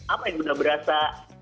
apa yang udah berasa